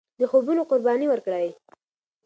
د خوبونو قرباني ورکړئ.